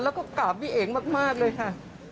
แล้วก็กราบพี่เอ๋มากเลยค่ะ